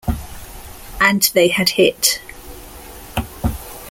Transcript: And they had hit.